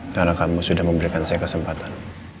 karena kamu sudah memberikan saya kesempatan